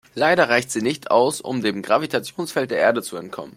Leider reicht sie nicht aus, um dem Gravitationsfeld der Erde zu entkommen.